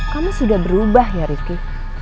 kamu sudah berubah ya ricky